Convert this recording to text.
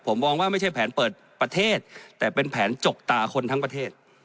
ผมมองว่าไม่ใช่แผนเปิดประเทศแต่เป็นแผนจกตาคนทั้งประเทศ